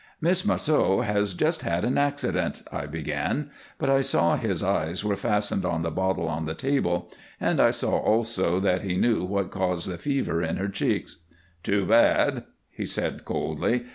"Miss Marceau has just had an accident," I began, but I saw his eyes were fastened on the bottle on the table, and I saw also that he knew what caused the fever in her cheeks. "Too bad," he said, coldly.